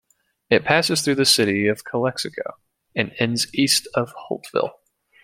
It passes through the city of Calexico and ends east of Holtville.